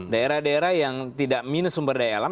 daerah daerah yang tidak minus sumber daya alam